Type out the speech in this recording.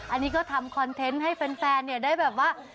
อันนี้ก็ทำคอนเทนต์ให้แฟนได้แบบว่า